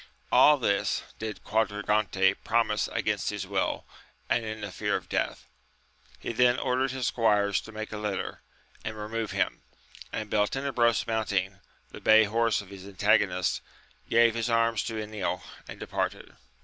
All this did Quadragante pro mise against his will, and in the fear of death. He then ordered his squires to make a litter, and remove him ; and Beltenebros mounting the bay horse of his antagonist, gave his arms to Enil, and departed.